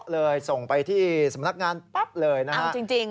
เลยส่งไปที่สมรรพงษ์งานปเลยนะฮะเอ้าจริง